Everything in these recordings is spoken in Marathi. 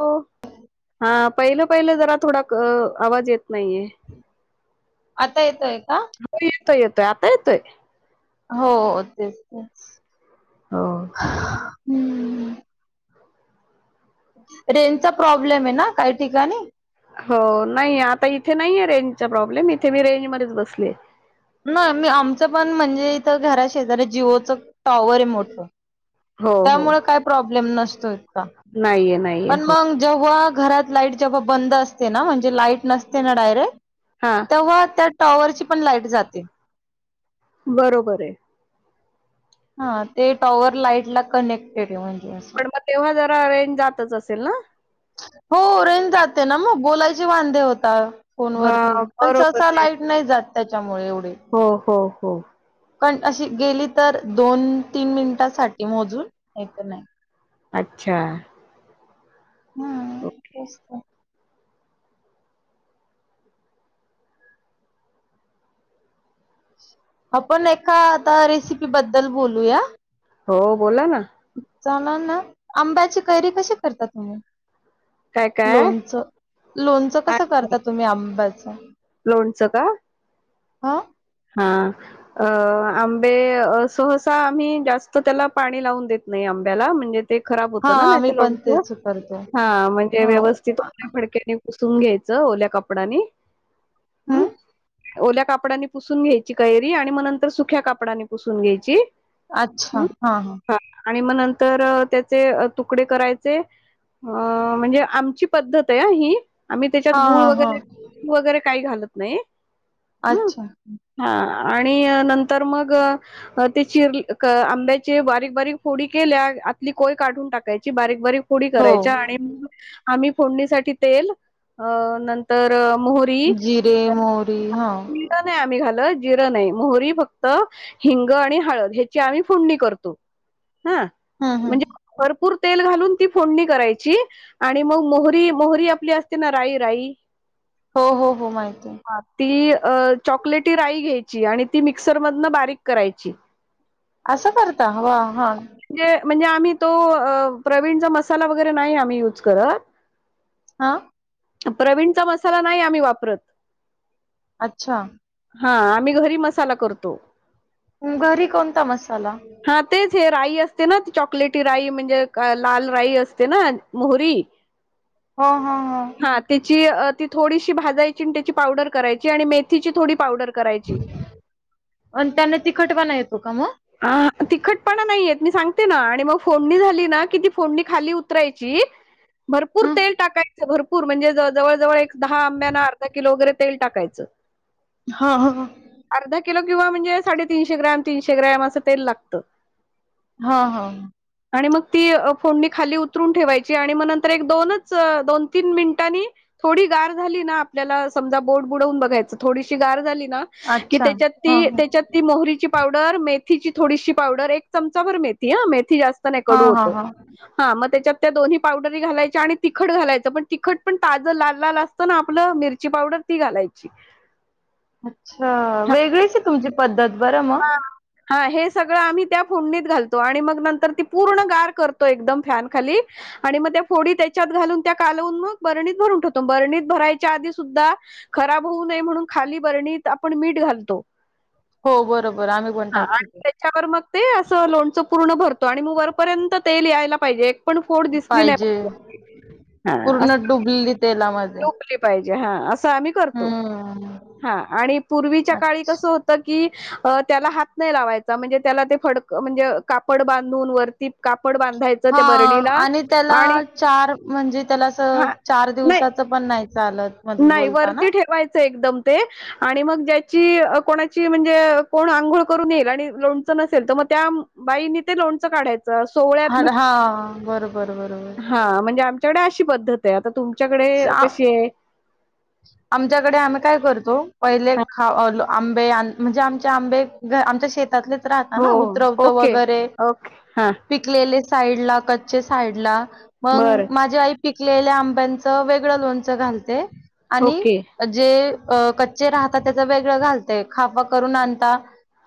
हो हा पहिलं पहिलं जरा थोडा क आवाज येत नाहीये आता येतोय का? आता येतोय आता येतोय. हो तेच ते हो हम्म रेंजचा प्रॉब्लेम आहे ना काही ठिकाणी. हो नाही आता इथे नाहीे रेंजचा प्रॉब्लेम इथे मी रेंज मध्येच बसले. नाही मी आमचं पण म्हणजे इथं घरा शेजऱी जिओच टॉवर अहे मोठ. त्यामुळे काय प्रॉब्लेम नसतोय. नाहीय नाही. पण मग जेव्हा घरात लाईट जेव्हा बंद असते ना म्हणजे लाईट नसते ना डायरेक्ट- हा तेव्हा त्या टॉवरची पण लाइट जाते. बरोबर आहे. हा ते टॉवर लाईट ला कनेक्टेड आहे म्हणजे. असं. पण मग तेव्हा जरा अरेंज जातच असेल ना? हो रेन जाते ना मग बोलायची वांधे होता. फोन हा वरती पण बरोबर सहसा आहे लाईट नाही जात त्याच्यामुळे एवढी. हो हो हो पण अशी गेली तर दोन तीन मिनिटांसाठी मोजून येत नाही. आच्छा! हा तेच त आपण एका आता रेसिपी बद्दल बोलूया? हो बोला ना जाणार ना आंब्याची कैरी कशी करता तुम्ही? काय काय लोणचं, लोणचं कसं अच्छा करता तुम्ही आंब्याचं? लोणचं का? [inaudible] हा अ आंबे सहसा, आम्ही जास्त त्याला पाणी लावून देत नाही आ आंब्याला म्हणजे ते खराब हा होतं ना नाही आम्ही त पण लोणचं, तेच करतो. हा म्हणजे हा व्यवस्थित फडक्याने पु सून घ्यायच ओल्या कपडानी, ह ओल्या कापडानी पुसून घ्यायची कैरी, आणि मग नंतर सुख्या कापडाने पुसून घ्यायची अच्छा ह हा हा! आणि म नंतर त्याचे तुकडे करायचे अ म्हणजे आमची पद्धत आहे ही आम्ही त्याच्यात हा गुळ हा हा वगैरे, वगैरे, काही घालत नाही ह अच्छा हा आणि नंतर मग ते चिर आंब्याचे बारीक, बारीक, फोडी केल्या आतली कोय काढून टाकायची, बारीक, बारीक फोडी हो. करायच्या आणि, आम्ही फोडणीसाठी आ तेल नंतर मोहरी जिरे, मोहरी हा नाही आम्ही घाल जिर नाही मोहरी फक्त, हिंग आणि हळद ह्याची आम्ही फोडणी करतो हा हम्म हम्म म्हणजे भरपूर तेल घालून ती फोडणी करायची, आणि मग मोहरी, मोहरी, आपली असते ना राई, राई हो, हो, माहिती आहे. हां, ती अ चॉकलेटी राई घ्यायची, आणि ती मिक्सर मधन बारीक करायची असं करता वा हा! म्हणजे म्हणजे आम्ही तो प्रवीणचा मसाला वगैरे नाही आम्ही युज करत हा! प्रवीणचा मसाला नाही आम्ही वापरत अच्छा! हा आम्ही घरी मसाला करतो घरी कोणता मसाला? ते राई असते ना चॉकलेटी राई, म्हणजे लाल राई असते ना मोहरी हो, हो, हो हा त्याची ती थोडीशी भाजायची न त्याची पावडर करायची आणि मेथी ची थोडी पावडर करायची अ त्याने तिखटपना येतो का म हा तिखटपणा नाहीयेत मी सांगते ना, आणि मग फोडणी झाली ना, कि ती फोडणी खाली उतरायची भरपूर हं. तेल टाकायच भरपूर म्हणजे, जवळ जवळ एक दहा आंब्यांना अर्धा किलो वगैरे तेल टाकायचं हा हा हा! अर्धा किंवा म्हणजे साडे तीनशे ग्राम, तीनशे ग्राम अस तेल लागत हा हा! आणि मग ती फोडणी खाली उतरून ठेवायची, आणि मग नंतर एक दोनच, दोन तीन, मिनिटांनी थोडी गार झाली ना, आपल्याला समजा बोट बुडवून बघायचं थोडी गार झाली ना, की अच्छा. त्याच्यात हां, ती, हां. त्याच्यात ती मोहरी ची पावडर मेथीची, थोडीशी पावडर, एक चमचा भर मेथी अ मेथी जास्त ने हां, कडू हां, होतं हां. हा मग त्याच्यात त्या दोन्ही पावडरी घालायच्या आणि तिखट घालायचं, पण तिखट पण ताज लाल, लाल, असतं ना आपलं मिरची पावडर ती घालायची. अच्छा वेगळेच तुमची पद्धत बरं मग हा हा हे सगळं आम्ही त्या फोडणीत घालतो आणि मग नंतर ती पूर्ण गार करतो एकदम फॅन खाली आणि मग त्या फोडी त्याच्यात घालून त्या कालवून मग बरणीत भरून ठेवतो बरणीत भरायच्या आधी सुद्धा खराब होऊ नये म्हणून खाली बरणीत आपण मीठ घालतो [inaudible] बरोबर आम्ही पण हा टाकतो ते. त्याच्यावर मग ते अस लोणच पूर्ण भर - तो आणि मग वरपर्यंत तेल यायला पाहिजे एक - - पण फोड दिसली पाहिजे नाही पूर्ण [unintelligible] डुबलेली तेलामध्ये. टोपली पाहिजे हा असं आम्ही करतो हम्म. हा आणि पूर्वीच्या काळी कसं होतं कि त्याला हात नाही लावायचा म्हणजे त्याला ते फडक म्हणजे कापड बांधून वरती काप - हा आणि त्याला आणि चार म्हणजे त्याला अस हा चार नाही दिवसाचं पण नाही चालत मधलं नाही बोलता ना? वरती ठेवायचंय एकदम ते आणि मग ज्याची कोणाची म्हणजे कोण आंघोळ करून येईल आणि लोणच नसेल - तर मग त्या बाईनी ते लोनचं काढायच सोवळ्यात हां, हां. बरोबर, बरोबर. [inaudible] हा म्हंजे आमच्या कड अशी - अशी पद्धत आहे आता तुमच्याकडे चा कशीय आमच्याकडे आम्ही काय करतो पहिले [unintelligible] आंबे आण म्हणजे आमचे आंबे आमच्या शेतातले राहता हो ना उतरवतो ओके वगैरे ओके हा पिकलेले साईड ला कच्चे साईड ला मग बरं माझी आई पिकलेल्या आंब्यांचं वेगळं लोणचं घालते आणि ओके जे अ कच्चे राहतात त्याच वेगळं घालते खाफा करून आणता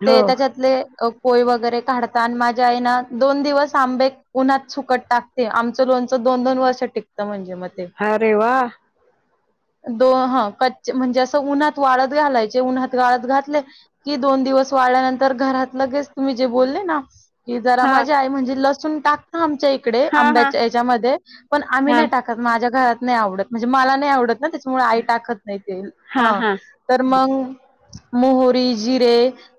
हो ते त्याच्यातले अ कोय वगैरे काढता आणि माझ्या आईना दोन दिवस आंबे उन्हात सुकट टाकते आमचं लोणचं - दोन दोन वर्ष टिकत म्हणजे अरे वा दो ह कच् म्हणजे असं उन्हात वाळत घालायचे उन्हात वाळत घातले की दोन दिवस वाळल्यानंतर घरात लगेच तुम्ही जे बोलले ना की जरा हा माझे आई म्हणजे लसूण टाकता आमच्या इकडे हा हा अंब्यांच्या येज्यामध्ये पण आम्ही हा नाही टाकत माझ्या घरात नाही आवडत म्हणजे मला नाही आवडत ना - हो आई टाकत नाही तेल हा ह हा तर म मोहरी - जिरे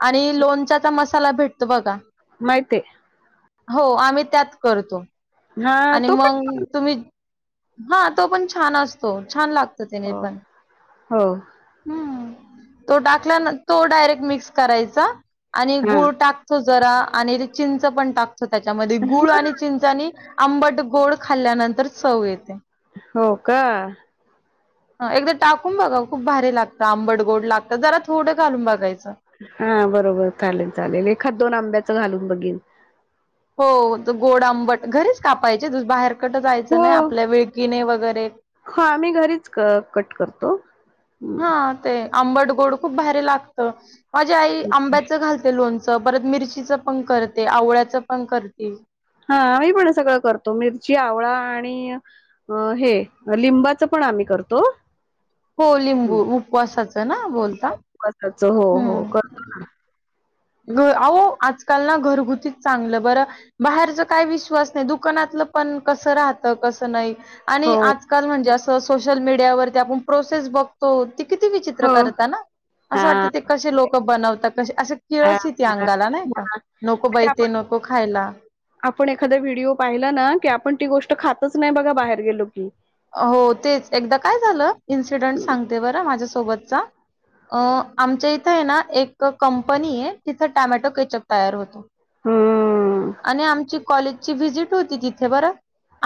आणि लोणच्याचा मसाला भेटतो बघा महीतयं हो आम्ही त्यात करतो हा आणि तो पण मग तुम्ही - हा तो पण छान असतो छान लागतो त्याने हो पण हो ह् तो टाकलान तो डायरेक्ट मिक्स करायचा आणि हा गुळ टाकतो जरा आणि ते चिंच पण टाकतो त्याच्यामध्ये गुळ आणि चिंच आणि आंबट गोड खाल्ल्यानंतर चव येते हो का एकदा टाकून बघा खूप भारी लागतं आंबड गोड लागत जरा थोडं घालून बघायचं हा बरोबर चालेल चालेल एखाद दोन आंब्याचं घालून बगीन हो गोड आंबट घरीच कापायचे बाहेर कटं जायचं हो नाही आपल्या विळकीने वग हा आम्ही घरीच कट करतो् हा ते आंबट गोड खूप भारी लागत माझी आई आंब्याचं घालते लोणच च परत मिरचीच पण करते आवळ्याच पण करते हा आम्ही पण सगळं करतो मिरची आवळा आणि हे लिंबाच पण पण आम्ही करतो हो लिंबू उपवासाचं ना बोलता कसाच हो हो हम्म करतो ना अहो आजकाल ना घरगुतीच चांगलं बरं बाहेरच काय विश्वास दुकानातलं पण कस राहत कस नाही आणि हो आजकाल म्हणजे अस सोशल मीडियावरती आपण प्रोसेस बघतो किती विचित्र हो करता ना असं वाटतं हा ते कशेलोक बनवतात हा किळच य ते हा अंगाला नाही का म्हणजे नको बै ई ते आपण नको खायला आपण एखाद व्हिडिओ पाहिला ना की आपण ती गोष्ट खातच नाही बघा बाहेर गेलो की हो तेच एकदा काय झालं इन्सिडेंट सांगते बरं माझ्यासोबतचा अ आमच्या इथे आहे ना एक कंपनी आहे तिथं टॅमॅटो केचअप तयार होतो हम्म आणि आमची कॉलेजची व्हजिट होती तिथे बरं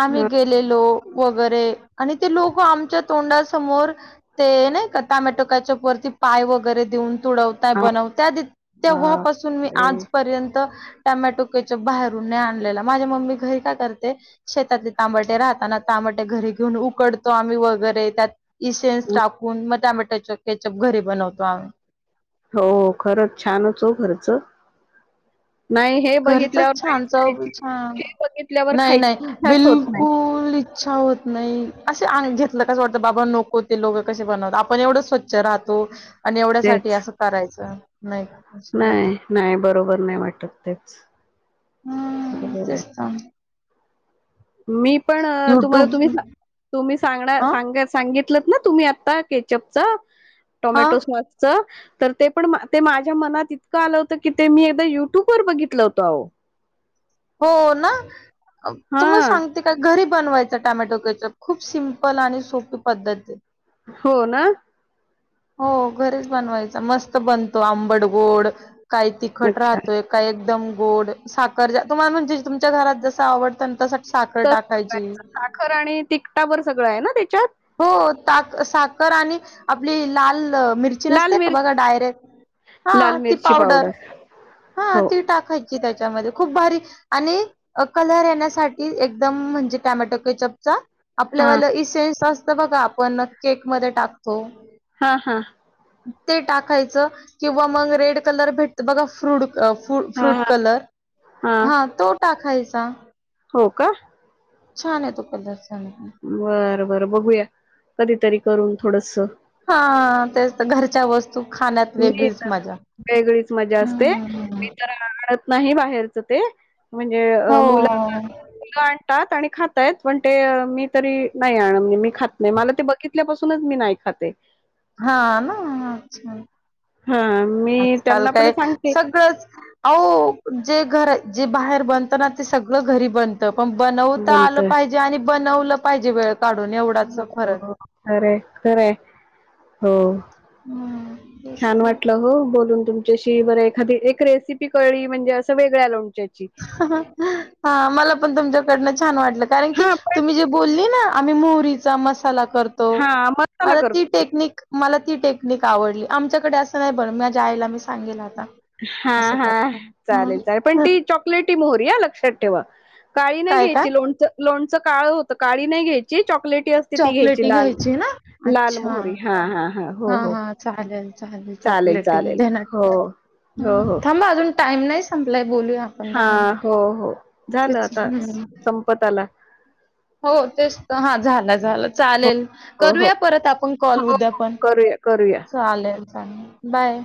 आम्ही गेलेलो वगैरे आणि ते लोक आमच्या तोंडासमोर ते नाही का टामॅटो केचप वरती पाय वगैरे देऊन तुडवताय हा बनवता तेव्हापासून मी बापरे आजपर्यंत टाम्या टो केचप बाहेरून नाही आणलेला माझ्या मम्मी घरी का करते शेतातले तांबटे राहताना त घरी घेऊन उकडतो आम्ही वगैरे त्यात इ सेन्स टाकून टॉमॅटो केचप घरी बनवतो आम्ही हो खरंच छानच हो घरच घरचच नाहीच छान चव खायची छान हे बघितल्यावर नाही खायची नाही इच्छाच होत नाही बिलकुल अच्छा हो नाही असे अ घेतलं कसं वाटतं बाबा नको ते लोकं कसे बनवत आपण एवढं स्वच्छ राहतो आणि एवढ्यासाठीठी तेच असं करायचं नाही असे वाटत नाही नाही बरोबर नाही वाटत तेच हम् बरोबर आहे तेचत मी पण तुम्हाला तुम्ही तुम्ही सांग अ सांग सांगित ना तुम्ही आता केचप च हा टोमॅटो सॉस च तर ते पण ते माझ्या मनात इतकं आलं होतं की ते मी एकदा युट्यूब वर बघितलं होत आहो हो ना हा तुमला सांगते का घरी बनवायच टॉमॅटो केचप खूप सिम्पल आणि सोपी पद्धत हो ना हो घरीच बनवायचा मस्त बनतो आंबड गोड काय तिखट अच्छा राहतोय काय एकदम गोड साखर तुम्हाला म्ह तुमच्या घरात जस आवडत ना तसा साखर तस टाकायची करायचं साखर आणि तिकटावर सगळं आहे ना त्याच्यात हो साखर आणि आपली लाल मिरची लाल नसते का मिर बघा डायरेक्ट हा लाल ती मिरची पावडर हा हो ती टाकायची त्याच्यामध्ये खूप भारी आणि कलर येण्यासाठी एकदम म्हणजे टमॅटो केचपचा आपल्या हा वाला इसेेन्स असतं बघा आपण केकमध्येध्ये टाकतो हा हा ते टाकायच किंवा मग रेड कलर भेटत बघा फ्रूट फू हा फ्रूट हा कलर हा तो टाकायचा हो का छान येतो कलर छान आहे. बर बर बघूया कधीतरी करून थोडस हा तेच घरच्या वस् मी तर वेगळीच मजा असते हम्म मी तरळ नाही बाहेरच ते म्हणजे मुलं हो मुलं आणतात आणि खातायेत पण ते मी तरी नाही म्हणजे मी खात नाही मला ते बघितल्यापासूनच मी नाही खाते हा ना अच्छा हा मी आजकाल त्यांना पण काय सांगते सगळंच अह जे घर जे बाहेर बनत ना ते सगळ घरी बन पण बनवता आलं नंतर पाहिजे आणि बनवलं पाहिजे वेळ काढून एवढाच हो फरक आहे. खर खरं हो हम छान बसतय. वाटलं हो बोलून तुमशी बर एखादी एक रेसिपी कळळी म्हणजे असं वेगळ्या लों हा मला पण तुमच्याकडन छान वाटलं. कारण की हा पण तुम्ही जे बोले ना आम्ही हीचा मसाला करतो, हा मसाला मला ती करतो टेक्निक मला ती टेक्निक नीक आवडली आमच्याकडे असं नाही बर मझ्या आयला मी सांगेल आता. हा असं हा करता हं, चालेल चालेल पण हं. तीच चॉकलेटी मोहरी अ लक्षात ठेवा काळी नाही काय काय? घ्यायची लोणचं लोणचं काळं होतं काळी नाही घ्यायची चॉकलेट टी असते ती घ्यायची चॉकलेटी लाल ना लाल अच्छा मोहरी हा हा हा हो हो. हा चालेल चालेल चॉकलेटी चालेल देणार हो हो हं हो. थांबा अजून टाइम नाही संपलाय बोलूया आपण हा दहा हो हो झालं तेच आता हं संपत आला. हो तेच तर हा झालं झालं हो चालेल. हो हो करूया परत आपण कॉल हो उद्या हो पण, करूया करूया चालेल. बाय.